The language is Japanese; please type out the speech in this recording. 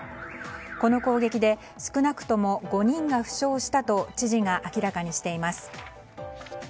この攻撃で少なくとも５人が負傷したと知事が明らかにしています。